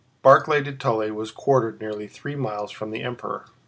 Barclay de Tolly was quartered nearly three miles from the Emperor.